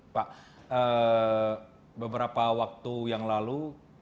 pak beberapa waktu yang lalu